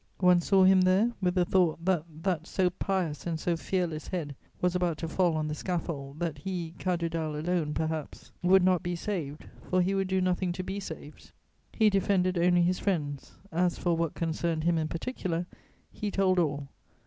One saw him there, with the thought that that so pious and so fearless head was about to fall on the scaffold, that he, Cadoudal, alone, perhaps, would not be saved, for he would do nothing to be saved. He defended only his friends; as for what concerned him in particular, he told all.